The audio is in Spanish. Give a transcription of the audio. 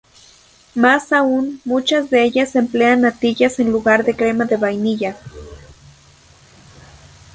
Más aún, muchas de ellas emplean natillas en lugar de crema de vainilla.